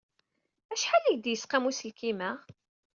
Acḥal ay ak-d-yesqam uselkim-a?